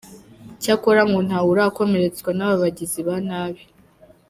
cyakora ngo ntawe urakomeretswa n’aba bagizi ba nabi.